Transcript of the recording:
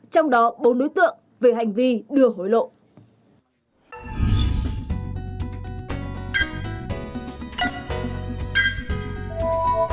trong đó bốn đối tượng về hành vi đưa hối lộ